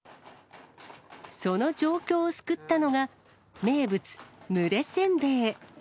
その状況を救ったのが、名物、ぬれ煎餅。